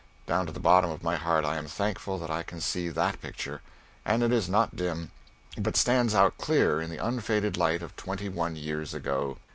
Down to the bottom of my heart I am thankful that I can see that picture! And it is not dim, but stands out clear in the unfaded light of twenty one years ago.